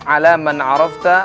ala man a'rafta